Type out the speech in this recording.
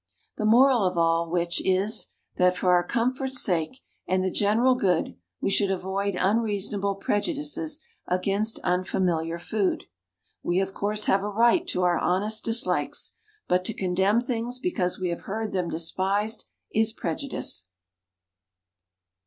The moral of all of which is, that for our comfort's sake, and the general good we should avoid unreasonable prejudices against unfamiliar food. We of course have a right to our honest dislikes; but to condemn things because we have heard them despised, is prejudice.